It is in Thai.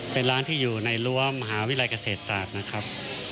เป็นร้านที่อยู่ในรั้วมหาวิทยาลัยเกษตรศาสตร์นะครับ